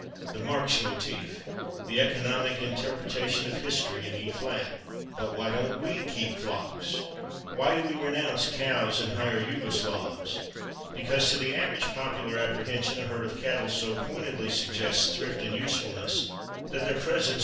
(The Marx motif! The economic interpretation of history in E flat.) But why don't we keep flocks? Why do we renounce cows and hire Jugo Slavs? Because "to the average popular apprehension a herd of cattle so pointedly suggests thrift and usefulness that their presence